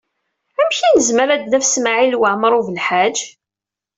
Amek ay nezmer ad d-naf Smawil Waɛmaṛ U Belḥaǧ?